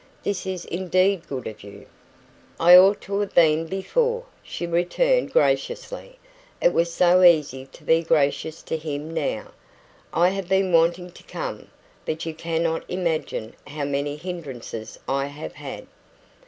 "This is indeed good of you!" "I ought to have been before," she returned graciously it was so easy to be gracious to him now "I have been wanting to come; but you cannot imagine how many hindrances I have had."